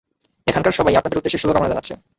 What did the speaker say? এখানকার সবাই আপনাদের উদ্দেশ্যে শুভকামনা জানাচ্ছে।